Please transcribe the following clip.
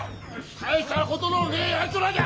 大ひたことのねえやつらじゃ！